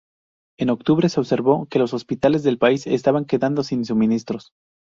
En octubre, se observó que los hospitales del país se estaban quedando sin suministros.